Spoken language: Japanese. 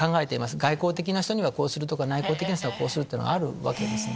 外向的な人にはこうするとか内向的な人にはこうするっていうのがあるわけですね。